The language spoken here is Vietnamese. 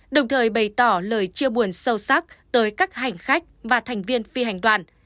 đồng thời bày tỏ lời chia buồn sâu sắc tới các hành khách và thành viên phi hành đoàn